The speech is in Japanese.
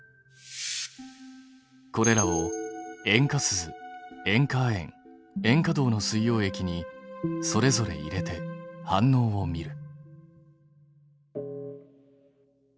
これらを塩化スズ塩化亜鉛塩化銅の水溶液にそれぞれ入れて反応を見る。